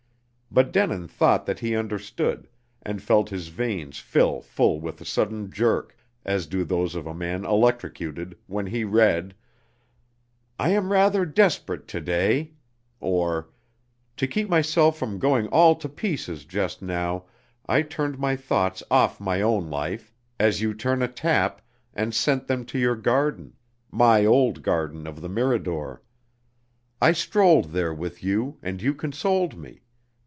But Denin thought that he understood, and felt his veins fill full with a sudden jerk, as do those of a man electrocuted, when he read, "I am rather desperate to day:" or, "To keep myself from going all to pieces, just now, I turned my thoughts off my own life, as you turn a tap, and sent them to your garden my old garden of the Mirador. I strolled there with you, and you consoled me.